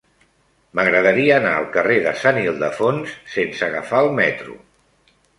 M'agradaria anar al carrer de Sant Ildefons sense agafar el metro.